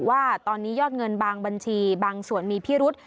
ว่าตอนนี้ยอดเงินบางบัญชีบางส่วนมีพิรุษ